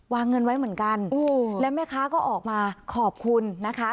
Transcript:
วางเงินไว้เหมือนกันแล้วแม่ค้าก็ออกมาขอบคุณนะคะ